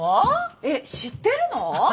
えっ知ってるの？